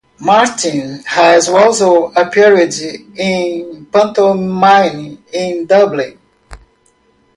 Martin has also appeared in pantomime, in Dublin.